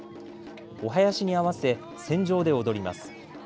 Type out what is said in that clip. お囃子に合わせ船上で踊ります。